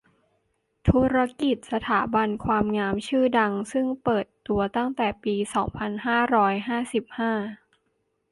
ธุรกิจสถาบันความงามชื่อดัง ซึ่งเปิดตัวตั้งแต่ปี สองพันห้าร้อยห้าสิบห้า